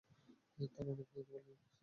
তার অনেক fan following আছে।